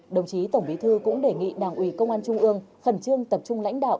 đồng chí tổng bí thư cũng đề nghị đảng ủy công an trung ương khẩn trương tập trung lãnh đạo